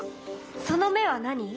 その目は何？